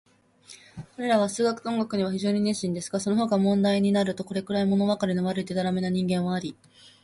彼等は数学と音楽には非常に熱心ですが、そのほかの問題になると、これくらい、ものわかりの悪い、でたらめな人間はありません。